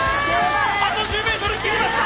あと１０メートル切りました！